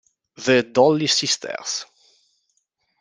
The Dolly Sisters